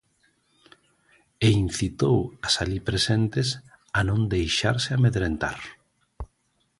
E incitou as alí presentes a non deixarse amedrentar.